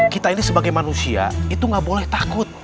kita ini sebagai manusia itu gak boleh takut